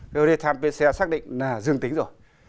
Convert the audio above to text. rồi tham vệ xe xác định là dương tính rồi